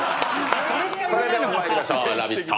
それではまいりましょう「ラヴィット！」